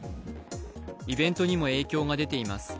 イベントにも影響が出ています。